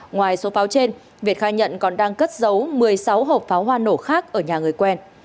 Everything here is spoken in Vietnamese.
ngoài số pháo trên việt khai nhận còn đang cất giấu một mươi sáu hộp pháo hoa nổ khác ở nhà người quen